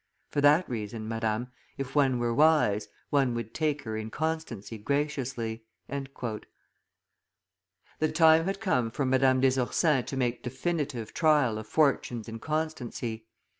For that reason, Madame, if one were wise, one would take her inconstancy graciously." The time had come for Madame des Ursins to make definitive trial of Fortune's inconstancy.